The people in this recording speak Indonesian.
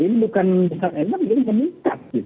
ini bukan emang meningkat